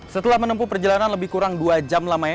setelah menempuh perjalanan lebih kurang dua jam lamanya